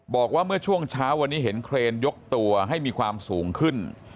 บอกว่าเมื่อช่วงเช้าวันนี้เห็นเครนยกตัวให้มีความสูงขึ้น